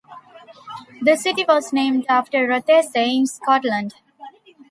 The city was named after Rothesay, in Scotland.